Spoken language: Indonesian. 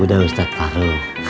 udah ustadz paruh